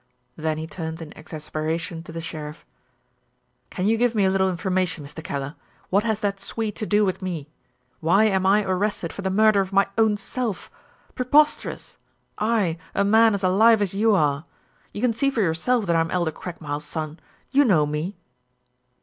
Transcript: Then he turned in exasperation to the sheriff. "Can you give me a little information, Mr. Kellar? What has that Swede to do with me? Why am I arrested for the murder of my own self preposterous! I, a man as alive as you are? You can see for yourself that I am Elder Craigmile's son. You know me?"